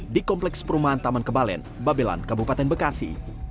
di kompleks perumahan taman kebalen babelan kabupaten bekasi